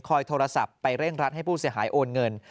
โทรศัพท์ไปเร่งรัดให้ผู้เสียหายโอนเงิน